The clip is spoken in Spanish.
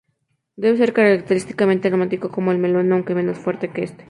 Debe ser característicamente aromático como el melón, aunque menos fuerte que este.